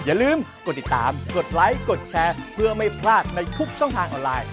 อย่าลืมกดติดตามกดไลค์กดแชร์เพื่อไม่พลาดในทุกช่องทางออนไลน์